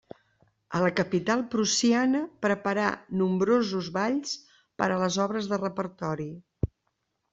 A la capital prussiana preparà nombrosos balls per a les obres de repertori.